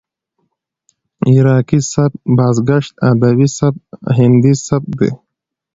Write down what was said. عراقي سبک، بازګشت ادبي سبک، هندي سبک دى.